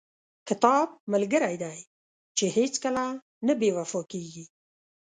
• کتاب ملګری دی چې هیڅکله نه بې وفا کېږي.